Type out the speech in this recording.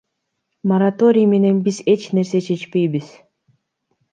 Мораторий менен биз эч нерсе чечпейбиз.